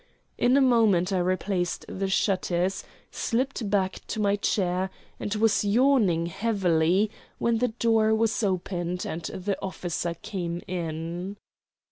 In a moment I replaced the shutters, slipped back to my chair, and was yawning heavily when the door was opened and the officer came in.